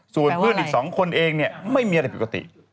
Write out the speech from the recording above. ส่วนเพื่อนอีก๒คนเองเนี่ยไม่มีอะไรปกติ